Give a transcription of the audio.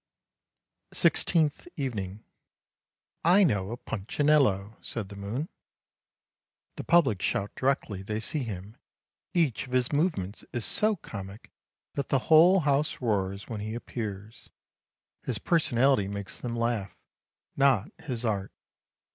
" SIXTEENTH EVENING " I know a Punchinello," said the moon. " The public shout directly they see him, each of his movements is so comic that the whole house roars when he appears; his personality makes them laugh, not his art.